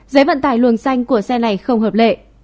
giấy vận tải luồng xanh của xe này không hợp lệ